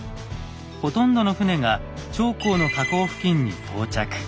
ほとんどの船が長江の河口付近に到着。